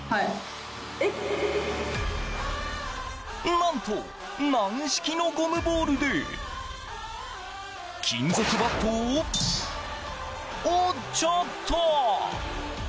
何と、軟式のゴムボールで金属バットを折っちゃった！